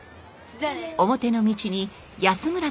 じゃあね！